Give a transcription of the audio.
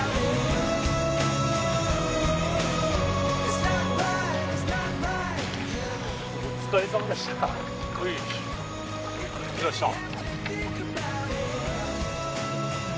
お疲れさまでした！